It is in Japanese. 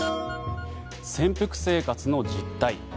潜伏生活の実態。